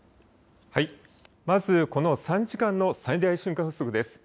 まず、この３時間の最大瞬間風速です。